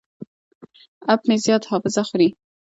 اپ مې زیاته حافظه خوري.